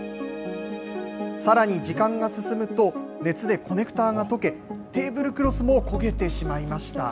さらに、時間が進むと、熱でコネクターが溶け、テーブルクロスも焦げてしまいました。